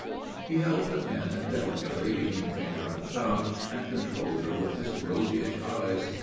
He held the pin delicately between finger and thumb, and controlled her with his roguish eyes.